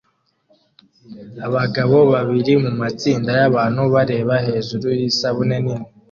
Abagabo babiri mumatsinda yabantu bareba hejuru yisabune nini